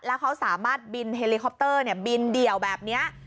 แล้วเขาสามารถบินเฮลิคอปเตอร์บินเดี่ยวแบบนี้